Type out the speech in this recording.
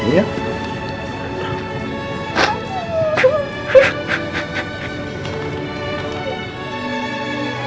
kamu kuat lah